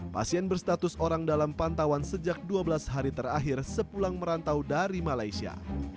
pasien berstatus orang dalam pantauan sejak dua belas hari terakhir sepulang merantau dari malaysia